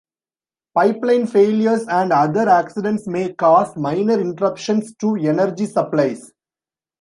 Pipeline failures and other accidents may cause minor interruptions to energy supplies.